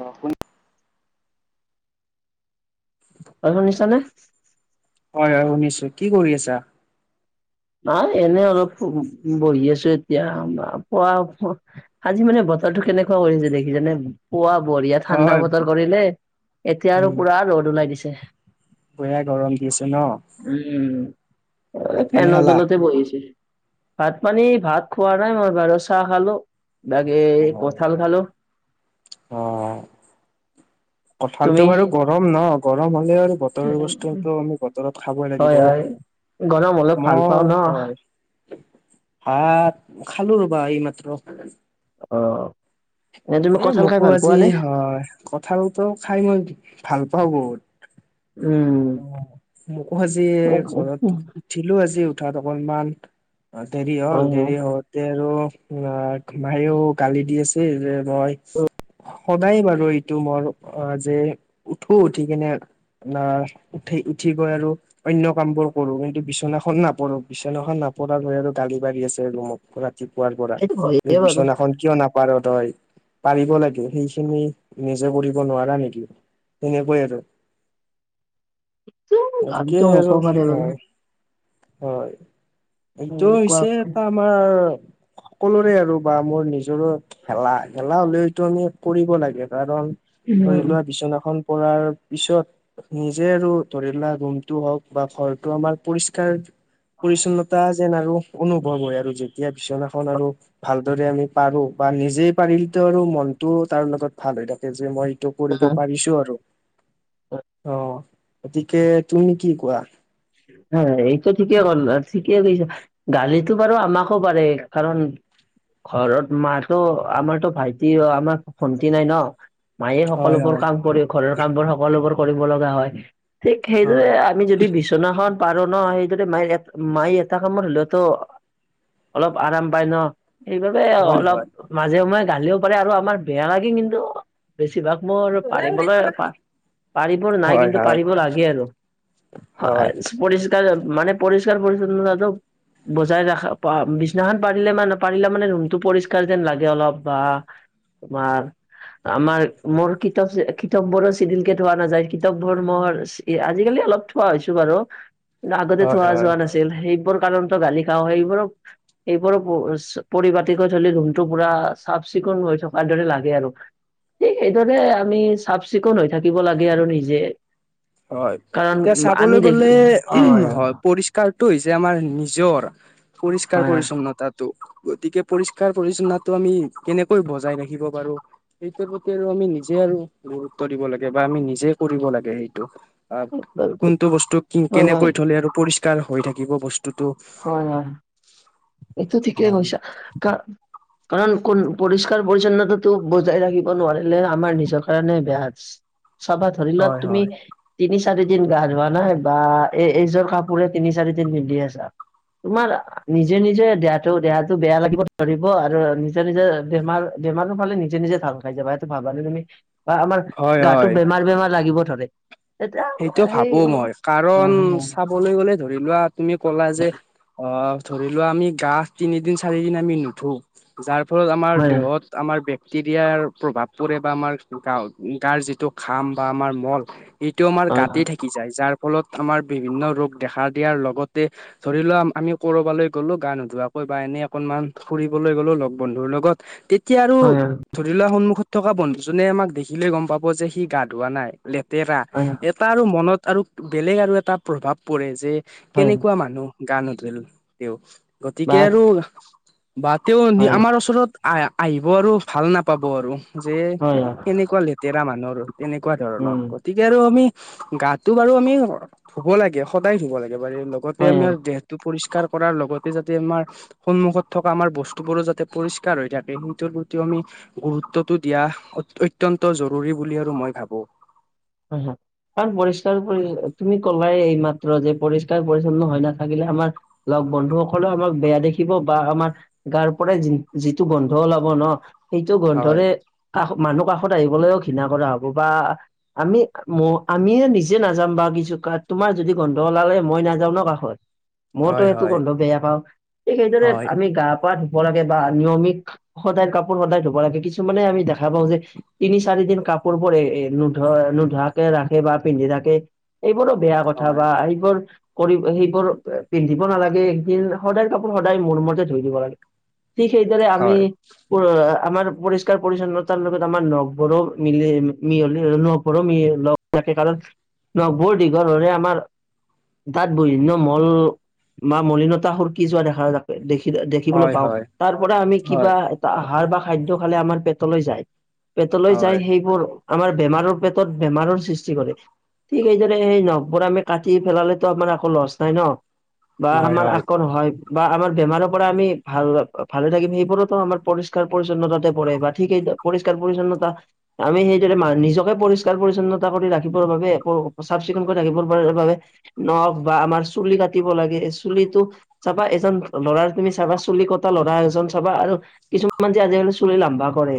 অ', [unintelligible] অ', শুনিছ নে? হয় হয় শুনিছোঁ। কি কৰি আছা? আ এনে অলপ ব- বহি আছোঁ এতিয়া। [unintelligible] আজি মানে বত ৰটো কেনেকুৱা কৰিছে দেখিছেনে? পুৱা বঢ়িয়া ঠাণ্ডা হয় বতৰ কৰিলে। এতিয়া আৰু উম পুৰা ৰ'দ ওলাই দিছে। বঢ়িয়া গৰম দিছে ন উম। ভাত [unintelligible] পানী ফেনৰ খালা তলতে বহি আছিলে। ভাত পানী ভাত খোৱা নাই মই বাৰু, চাহ খালোঁ। বাকী কঠাল খালোঁ। অ'। কঁঠালটো তুমি? বাৰু গৰম ন। গৰম হ'লে আৰু বতৰৰ বস্তুটো আমি বতৰত খাবই হয়, লাগিব। হয়। গৰম হ'লে ভাল পাওঁ মই ন হয়। ভাত খালোঁ ৰবা এইমাত্ৰ। অ'। এনে তুমি এ কঁঠাল খাই মোকো ভাল আজি পোৱা নে? হয় কঁঠালটো খাই মই ভাল পাওঁ বহুত। উম, অ', মোকো আজি ঘৰত উঠিলোঁ আজি উঠাত অকনমান আ দেৰি হ'ল, হয়, হয় দেৰি হওঁতে আৰু উম, আ- মায়েও গালি দি আছে যে মই সদায় বাৰু এইটো মোৰ অ', যে উঠো উঠি কিনে না উঠি উঠি গৈ আৰু অন্য কামবোৰ কৰোঁ। কিন্তু বিচনাখনো নাপাৰোঁ বিচনাখন নাপ [unintelligible] লৈ আৰু গালি পাৰি আছে মোক। ৰাত তিপুৱাৰ পৰা এইটো এই হয়ে বাৰু। বিচনাখন কিয় নাপাৰ তই? পাৰিব লাগে সেইখিনি নিজে কৰিব নোৱাৰাঁ নেকি? তেনেকৈয়ে আৰু আমিতো [unintelligible] আৰু মুখবাৰে হয়। হয়। এইটো হৈছে এটা আমাৰ সকলোৰে আৰু বা মোৰ নিজৰোঁ খেলা। খেলা হলেওঁটো আমি কৰিব লাগে। কাৰণ ধৰি লোৱাঁ বিচনাখন কৰাৰ পিছত নিজে আৰু ধৰিলা ৰুমটো হওঁক বা ঘৰটো আমাৰ পৰিষ্কাৰ পৰিচ্ছন্নতা যেন আৰু অনুভৱ হয় আৰু যেতিয়া বিচনাখন আৰু ভালদৰে আমি পাৰোঁ বা নিজে পাৰিলতোঁ আৰু মনটো তাৰ লগত ভাল হৈ থাকে যে মই এইটো কৰিব পাৰিছোঁ আৰু। অ', গতিকে তুমি কি কোৱা? হয়। এইটো ঠিকেই গ'ল ঠিকেই কৰিছে গালিতো বাৰু আমাকো পাৰে কাৰণ ঘৰত মাৰটো আমাৰতোঁ ভাইটি আ আমাৰ ভন্টি নাই ন। মায়ে হয় সকলোবোৰ হয় কাম কৰি ঘৰৰ কাম বোৰ সকলোবোৰ কৰিব লগা হয়। ঠিক সেইদৰে হয় আমি যদি বিচো নাখন পাৰোঁ ন সেইটোতে মায়ে এক মায়ে এটা কামত হলেওঁতো অলপ আৰাম পাই ন। সেইবাবে হয় হয় অলপ মাজে সময়ে গালিওঁ পাৰে আৰু আমাৰ বেয়া লাগে, কিন্তু বেছিভাগ মোৰ আৰু হয় পাৰিবলে পা পাৰিব নাই, কিন্তু হয় পাৰিব লাগে আৰু। হয় [unintelligible] পৰিষ্কাৰ মানে পৰিষ্কাৰ পৰিচ্ছন্নতাটো বজাই ৰাখা পা বিছনাখন পাৰিলে মানে পাৰিলে মানে ৰুমটো পৰিষ্কাৰ যেন লাগে অলপ বা তোমাৰ আমাৰ মোৰ কিতাপ চি কিতাপবোৰোঁ চিজিলকে থোৱা নাযায়। কিতাপবোৰ মোৰ চি আজিকালি অলপ খোৱা হৈছোঁ বাৰু কিন্তু আগতে হয় থোৱা হয় যোৱা নাছিল সেই [unintelligible] কাৰণতো গালি খাওঁ হয়। সেইবোৰক এইবোৰ পৰিচ পৰিপাটিকৈ থলে ৰুমটো পুৰা চাফ চিকুণ হৈ থকাৰ দৰে লাগে আৰু। ঠিক সেইদৰে আমি চাফ চিকুণ হৈ থাকিব লাগে আৰু নিজে। হয়। কাৰণ এতিয়া আমি চাবলৈ দেখি গ'লে [inaudible] হয় পৰিষ্কাৰ টো হৈছে আমাৰ নিজৰ পৰিষ্কাৰ হয়, পৰিছন্নতাটো। গতিকে পৰিষ্কাৰ পৰিছন্নটো আমি কেনেকৈ বজাই ৰাখিব পাৰোঁ, সেইটোৰ প্ৰতি আৰু আমি নিজে আৰু গুৰুত্ব দিব লাগে বা আমি নিজে কৰিব লাগে সেই সেইটো কোনটো বস্তু হয়, কেনেকৈ হয়, থলে আৰু পৰিষ্কাৰ হৈ থাকিব বস্তু হয়, হয়, টোতো এইটো ঠিকেই কৈছা কাৰণ কোন পৰিষ্কাৰ পৰিচন্নতাটো বজাই ৰাখিব নোৱাৰিলে আমাৰ নিজৰ কাৰণে বেয়া আছে। চাবা ধৰি লক হয় তুমি তিনি চাৰি দিন গা ধোৱা নাই বা এই এইযোৰ কাপোৰে তিনি চাৰিদিন পিন্ধি আছা। তোমাৰ নি নিজে নিজে দেহাটো দেহাটো বেয়া লাগিব ধৰিব আৰু নিজে নিজে বেমাৰ বেমাৰটো পালে নিজে নিজে ভাল খাই যাবা সেইটো ভাবা নে তমি, বা আমাৰ হয় গাটো হয় বেমাৰ বেমাৰ লাগিব ধৰে। তেতিয়া সেইটো ভাবোঁ মই কাৰণ সেই চাবলৈ গ'লে ধৰি লোৱা তুমি ক'লা যে অ, ধৰি লোৱা আমি গা তিনিদিন চাৰিদিন আমি নুধো যাৰ ফলত আমাৰ হয় দেহত আমাৰ তেৰিয়াৰ প্ৰভাৱ পুৰে বা আমাৰ গা গাৰ যিটো খাম বা আমাৰ মল এইটো আমাৰ হয় গাতেই থাকি যায় যাৰ ফলত আমাৰ বিভিন্ন ৰোগ দেখা দিয়াৰ লগতে ধৰি লোৱা আমি কৰবালৈ গ'লো গা নোধোৱাকৈ বা এনে অকনমান ফুৰিবলৈ গ'লো লগ বন্ধুৰ লগত তেতিয়া আৰু হয় ধৰি লোৱা সন্মুখত থকা বন্ধু জনে আমাক দেখিলে গম পাব যে সি গা ধোৱা নাই লেতেৰা হয় এটা আৰু মনত আৰু বেলেগ আৰু এটা প্ৰভাৱ পৰে যে হয় কেনেকুৱা মানুহ গা নুধুল তেওঁ। গতিকে বাট আৰু বা তেওঁ হয় আমাৰ ওচৰত আ, আহিব আৰু ভাল নাপাব আৰু যে হয় এ কেনেকুৱা লেতেৰা মানুহ আৰু। তেনেকুৱা ধৰণৰ, উম গতিকে আৰু আমি গাটো বাৰু আমি ধুব লাগে সদায় ধুব লাগে। একেবাৰে লগতে হয় আমাৰ হয় দেহটো পৰিষ্কাৰ পৰিষ্কাৰ কৰাৰ লগতে যাতে আমাৰ সন্মুখত থকা আমাৰ বস্তু বোৰো যাতে পৰিষ্কাৰ হৈ থাকে সেইটোৰ প্ৰতি গুৰুত্বটো দিয়া অত্যন্ত জৰুৰী বুলি আৰু মই ভাবো। হয়, হয়। কাৰণ পৰিষ্কাৰ তুমি কলাই এইমাত্ৰ যে পৰিষ্কাৰ পৰিচ্ছন্ন হৈ নাথাকিলে আমাৰ লগ বন্ধুসকলে আমাক বেয়া দেখিব বা আমাৰ গাৰ পৰাই যিটো গন্ধ ওলাব ন সেইটো হয় গোন্ধৰে কাষ মানুহ কাষত আহিবলৈও ঘৃণা কৰা হব বা আমি ম আমি নিজে নাযাম বাাৰু কিছু তোমাৰ যদি গন্ধ ওলালে মই নাযাওঁ ন কাষত। মইতো হয় সেইটো হয় গন্ধ বেয়া পাওঁ, ঠিক সেইদৰে হয় আমি গা ধুব লাগে বা নিয়মিত সদায় কাপোৰ সদায় ধুব লাগে কিছুমানে আমি দেখা পাওঁ যে তিনি চাৰি দিন কাপোৰবোৰ এ এ ধৰ নোধোৱাকে ৰাখে বা পিন্ধি ৰাখে এইবোৰো বেয়া কথা হয় বা এইবোৰ কৰি সেইবোৰ পিন্ধিব নালাগে এদিন সদায় কাপোৰ সদায় মোৰ মতে ধুই দিব লাগে। ঠিক সেইদৰে আমি হয় আমাৰ পৰিষ্কাৰ পৰিচ্ছন্নতাৰ লগত আমাৰ নখবোৰো মিলে মিয়লি নখবোৰো লগ থাকে কাৰণ নখবোৰ দীঘল হলে আমাৰ তাত বিভিন্ন মল বা মলিনতা সুৰকি যোৱা দেখা য দে দেখিবলৈ হয় পাওঁ, হয় তাৰ পৰা আমি হয় কিবা এটা আহাৰ বা খাদ্য খালে আমাৰ পেটলৈ যায়। পেটলৈ যাই হয় সেইবোৰ আমাৰ বেমাৰৰ পেটত বেমাৰৰ সৃষ্টি কৰে ঠিক সেইদৰে স নখবোৰ আমি কাটি পেলালেতো আমাৰ একো লচ নাই ন? বা হয় আমাৰ আক নহয় বা আমাৰ বেমাৰ পৰা আমি ভাল ভালে থাকিম সেইবোৰতো আমাৰ পৰিষ্কাৰ পৰিচ্ছন্নতাতে পৰে বা ঠিক স পৰিষ্কাৰ পৰিচ্ছন্ন আমি সেই দৰে নিজকে পৰিষ্কাৰ পৰিচ্ছন্নতা কৰি ৰাখিবৰ বাবে, চাফ চিকুণ কৰি ৰাখিবৰ বাবে নখ বা আমাৰ চুলি কাটিব লাগে, চুলিটো চাবা এজন ল'ৰাৰ তুমি চাবা চুলি কটা ল'ৰা এজন চাবা আৰু কিছুমান যে আজিকালি চুলি লামবা কৰে,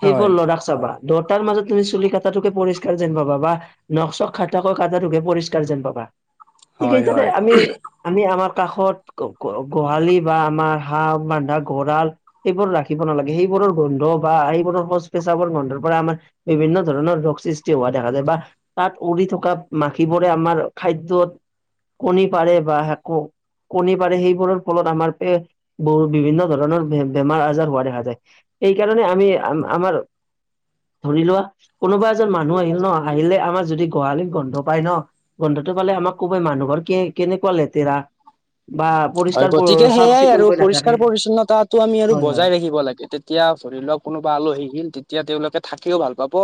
সেই হয় বোৰ ল'ৰাক চাবা তাৰ মাজত তুমি চুলি কটাতোকে পৰিষ্কাৰ যেন পাবা বা নক চখ খাটা কৈ কাটাতোকে পৰিষ্কাৰ যেন পাবা। হয় ঠিকেই তাতে হয় আমি আমি আমাৰ কাষত গ-গোহালি বা আমাৰ হাঁহ বন্ধা গৰাল এইবোৰ ৰাখিব নালাগে সেইবোৰ। [unintelligible] গোন্ধ বা সেইবোৰৰ শৌচ-পেচাবৰ গোন্ধৰ পৰা আমাৰ। বিভিন্ন ধৰণৰ ৰোগ সৃষ্টি হোৱা দেখা যায় বা তাত উৰি থকা মাখিবোৰে আমাৰ খাদ্যত। কণী পাৰে বা। [unintelligible] কণী পাৰে সেইবোৰৰ ফলত আমাৰ বহ বিভিন্ন ধৰণৰ বেমাৰ আজাৰ হোৱা দেখা যায়। এই কাৰণে আমি আম-আমাৰ। [inaudible] ধৰি লোৱা কোনোবা এজন মানুহ আহিল নহ আহিলে আমাৰ যদি গোহালিত গোন্ধ পায় নহ। গোন্ধটো পালে আমাক কবই মানুহ ঘৰ কে-কেনেকুৱা লেতেৰা। বা হয় পৰিষ্কাৰ গতিকে চাফ সেইয়াই আৰু চিকুণকৈ পৰিষ্কাৰ নাথাকে পৰিছন্নতাটো আমি আৰু হয় বজাই ৰাখিব লাগে তেতিয়া ধৰি লওঁক। কোনোবা আলহী আহিল তেতিয়া তেওঁলোকে থাকিও ভাল পাব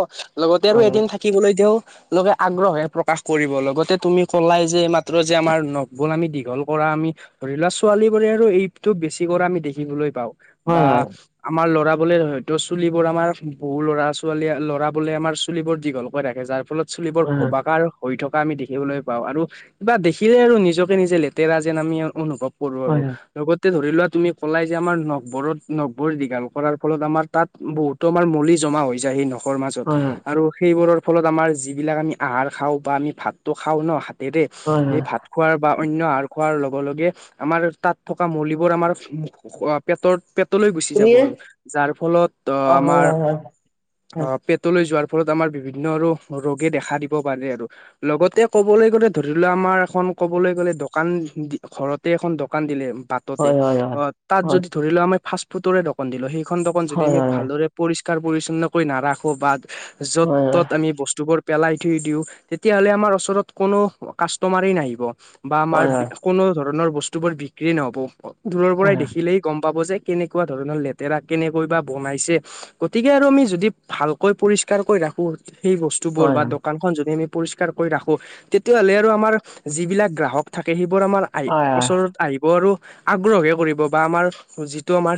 লগতে আৰু হয় এদিন থাকিবলৈ তেওঁ। লোকে আগ্ৰহে প্ৰকাশ কৰিব লগতে তুমি ক'লাই যে মাত্ৰ যে আমাৰ নখবোৰ আমি দীঘল কৰা আমি। ধৰি লোৱা ছোৱালীবোৰে আৰু এইটো বেছি কৰা আমি দেখিবলৈ পাওঁ হয় বা হয় আমাৰ ল'ৰা। বোলে হয়তো চুলিবোৰ আমাৰ বহু ল'ৰা-ছোৱালী ল'ৰা বোলে আমাৰ চুলিবোৰ দীঘলকৈ ৰাখে যাৰ ফলত। চুলিবোৰ ভবাকা আৰু। হৈ থকা আমি দেখিবলৈ পাওঁ আৰু কিবা দেখিলে আৰু নিজকে নিজে লেতেৰা যেন আমি অনুভৱ। কৰোঁ আৰু হয় হয় হয় লগত। [unintelligible] ধৰি লোৱা তুমি কলাই যে আমাৰ নখবোৰত নখবোৰ দীঘাল কৰাৰ ফলত আমাৰ তাত বহুতো আমাৰ মলি। জমা হৈ যায় সেই নখ। খৰ মাজত হয় আৰু সেইবোৰৰ ফলত আমাৰ যিবিলাক আমি আহাৰ খাওঁ বা আমি ভাতটো খাওঁ নহ। দেৰে হয় হয় হয় হয় এই হয় ভাত খোৱা বা অন্য আহাৰ খোৱাৰ লগে লগে। আমাৰ তাত থকা মলিবোৰ আমাৰ পেটৰ, পেট। তলৈ গুচি যাব তুমিয়ে আৰু যাৰ ফলত অ হয় আমাৰ হয় হয় অ পেটলৈ যোৱাৰ। ফলত আমাৰ বিভিন্ন আৰু ৰোগে দেখা দিব পাৰে আৰু লগতে ক'বলৈ গ'লে ধৰি লোৱা আমাৰ। এখন কবলৈ গ'লে দোকান ঘৰতে এখন দোকান দিলে আৰু। বাটতে হয় হয় হয় হয় অ তাত যদি ধৰি লোৱা আমি ফাষ্ট-ফুডৰে দোকান দিলো সেইখন দোকান যদি হয় আমি হয় ভালদৰে পৰি ষ্কাৰ পৰিছন্ন কৈ কৰি নাৰাখো বা য'ত হয় হয় হয় ত'ত আমি বস্তুবোৰ। পেলাই থৈ দিও তেতিয়াহলে আমাৰ ওচৰত কোনো কাষ্টমাৰেই নাহিব। বা হয় হয় হয় হয় আমাৰ হয় কোনো ধৰণৰ বস্তু বোৰ বিক্ৰী নহব দূৰৰ পৰাই দেখিলেই গম পাব যে। কেনেকুৱা ধৰণৰ লেতেৰা কেনেকৈ বা বনাইছে গতিকে আৰু আমি যদি ভালকৈ পৰিষ্কাৰ কৈ ৰাখোঁ। সেই বস্তুবোৰ হয় হয় হয় বা দোকানখন যদি আমি। পৰিষ্কাৰ কৰি ৰাখোঁ তেতিয়াহ'লে আৰু আমাৰ যিবিলাক গ্ৰাহক থাকে সেইবোৰ আমাৰ। [unintelligible] ওচৰত আহিব আৰু। আগ্ৰহ হে কৰিব বা আমাৰ যিটো আমাৰ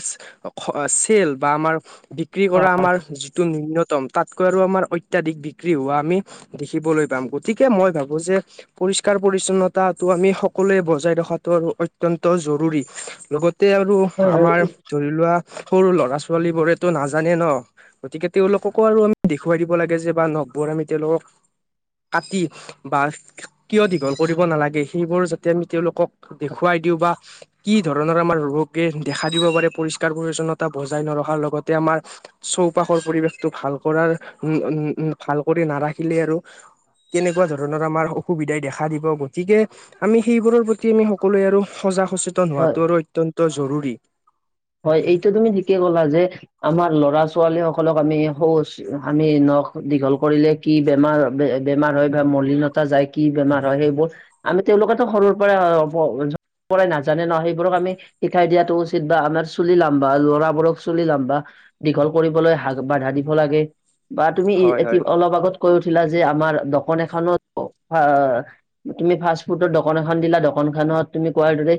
চেল বা আমাৰ। বিক্ৰী কৰা আমাৰ যিটো নূন্য তম তাতকৈ আৰু আমাৰ অত্যাধিক বিক্ৰী হোৱা আমি দেখিবলৈ পাম গতিকে মই ভাবোঁ যে। পৰিষ্কাৰ পৰিছন্নতাটো আমি সকলোৱে বজাই ৰখ খাটো আৰু অত্যন্ত জৰুৰী লগতে আৰু হয় আমাৰ হয় ধৰি লোৱা। সৰু ল'ৰা-ছোৱালী বোৰেতো নাজানে নহ। গতিকে তেওঁলোককো আৰু আমি দেখুৱাই দিব লাগে যে বা নখবোৰ আমি তেওঁলোকক। কাটি বা কিয় দীঘল কৰিব নালাগে সেইবোৰ যাতে আমি তেওঁলোকক। দেখুৱাই দিওঁ বা। কি ধৰণৰ আমাৰ ৰোগে দেখা দিব পাৰে পৰিষ্কাৰ পৰিছন্নতা বজাই নৰখাৰ লগতে আমাৰ। চৌপাশৰ পৰিৱেশটো ভাল কৰাৰ উম উম ভাল কৰি নাৰাখিলে আৰু। কেনেকুৱা ধৰণৰ আমাৰ অসুবিধাই দেখা দিব গতিকে আমি সেইবোৰৰ প্ৰ তি আমি সকলোৱে আৰু সজাগ সচেতন হয় হোৱাটো আৰু অত্যন্ত জৰুৰী। হয় এইটো তুমি ঠিকে ক'লা যে আমাৰ। ল'ৰা-ছোৱালী সকলক আমি শৌচ আমি নখ দীঘল কৰিলে কি বেমাৰ-বেমাৰ। হয় বা মলিনতা যায় কি বেমাৰ হয় সেইবোৰ আমি তেওঁলোকেতো সৰুৰ পৰা। [unintelligible] পৰাই নাজানে নহ সেইবোৰক আমি শিকাই দিয়াটো উচিত বা আমাৰ। চুলি লামবা ল'ৰাবোৰক চুলি লমবা দীঘল কৰিবলৈ হাক বাধা দিব লাগে বা তুমি হয় এ হয় অলপ আগত কৈ উথিলা যে আমাৰ দকন এখনোত তুমি ফাষ্ট ফুডৰ দকন এখন দিলা দোকান খ তুমি কোৱাৰ দৰে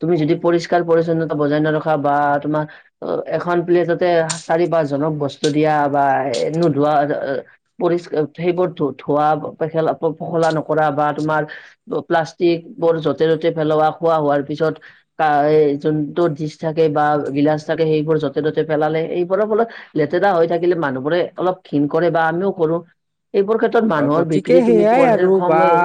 তুমি যদি পৰিষ্কাৰ পৰিছন্নতা বজাই নৰখা বা তোমাৰ অ এখন প্লেটতে চাৰি পাঁচ জনক বস্তু দিয়া বা নোধোৱা বা পৰিষ্ সেইবোৰ ধ ধোৱাে পখেলা নকৰা বা তোমাৰ প্লাষ্টিক বোৰ য'তে য'তে পেলোৱা খোৱা হোৱাৰ পিছত যোনটো থাকে বা গিলাচ থাকে সেইবোৰ যতে ত'তে পেলালে এইবোৰ অলপ লেতেৰা হৈ থাকিলে মানুহবোৰে অলপ ঘিণ কৰে বা আমিও কৰো এইবোৰ ক্ষেত্ৰত হয় মানুহৰ গতিকে বিক্ৰী তুমি সেইয়াই আৰু কম বা হৈ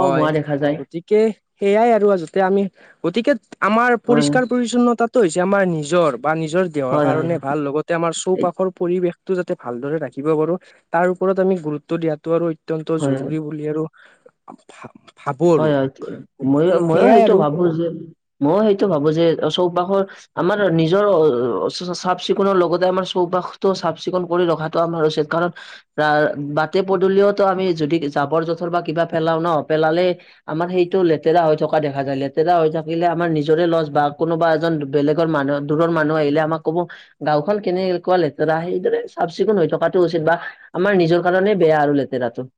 কম হোৱা দেখা যায় গতিকে সেইয়াই যতে আমি গতিকে আমাৰ পৰিষ্কাৰ হয় পৰিছন্নতাত হৈছে আমাৰ নিজৰ বা নিজৰ দেহৰ হয় কাৰণে হয় ভাল লগতে আমাৰ চৌপাশৰ পৰিৱেশ টো যাতে ভালদৰে ৰাখিব পাৰো তাৰ ওৰত আমি গুৰুত্ব দিয়াতটো আৰু অত্যন্ত হয় জৰুৰী বুলি আৰু আ হয় হয় ময় ময়ো সেইটো আৰু ভাবো যে ময়ো সেইটো ভাবো যে চৌপাশৰ আমাৰ নিজৰ চাফ চিকুণৰ লগতে আমাৰ চৌপাশতটো চাফ চিকুণ কৰি ৰখাটো আমাৰ উচিত কাৰণ আহ বাটে পদূলিয়েওতো আমি যদি জাবৰ জোথৰ বা কিবা পেলাও ন পেলালে আমাৰ সেইটো লেতেৰা হৈ থকা দেখা যায় লেতেৰা হৈ থাকিলে আমাৰ নিজৰে লছ বা কোনোবা এজন বেলেগৰ মানুহ দূৰৰ মানুহ আহিলে আমাক ক'ব গাওখন কেনেকুৱা লেতেৰা সেইদৰে চাফ চিকুণ হৈ থকাটো উচিত বা আমাৰ নিজৰ কাৰণে বেয়া আৰু লেতেৰাটো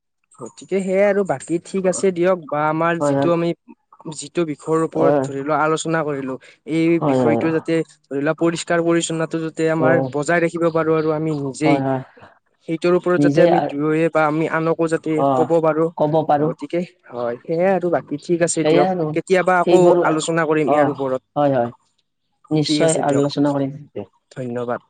তিকে সেইয়াই আৰু বাকী ঠিক আছে দিয়ক বা আমাৰ হয় যিটো হয় আমি যিটো বিষয়ৰ ওপৰত হয় ধৰিলোৱা আলোচনা কৰিলো এই হয় বিষয়টো হয় যাতে ধৰি লোৱা পৰিষ্কাৰ পৰি্ছন্নতটো যাতে আমাৰ হয় বজাই ৰাখিব পাৰো আমি নিজেই হয় হয় সেইটোৰ ওপৰত যাতে নিজে আমি আ- দুয়ো এ বা আনক তাপাছত কি অ কব পাৰো ক'ব পাৰো গতিকে হয় সেইয়াই আৰু বাকী ঠিক আছে সেয়াই দিয়ক আৰু কেতিয়াবা আকৌ সেইবোৰ আলোচনা কৰিম অ ইয়াৰ ওপৰত হয় হয় ঠিক নিশ্চয় আছে দিয়ক আলোচনা কৰিম। ধন্যবাদ